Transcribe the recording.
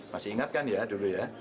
masih ingat kan ya dulu ya